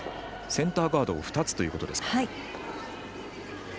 センターガードを２つということですか。